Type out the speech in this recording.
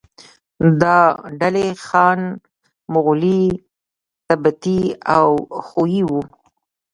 دا ډلې خان، مغولي، تبتي او خویي وو.